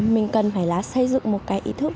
mình cần phải là xây dựng một cái ý thức